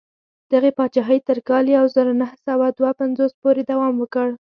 دغې پاچاهۍ تر کال یو زر نهه سوه دوه پنځوس پورې دوام وکړ.